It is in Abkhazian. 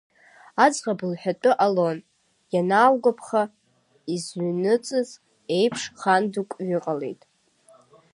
Аӡӷаб лҳәатәы ҟалон, ианаалгәаԥха, изыҩныҵыз еиԥш хан дук ҩыҟалеит.